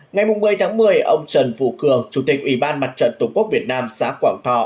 ngày một mươi tháng một mươi ông trần phù cường chủ tịch ủy ban mặt trận tổ quốc việt nam xã quảng thọ